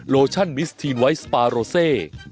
โลชั่นมิสทีนไวท์สปาโรเซ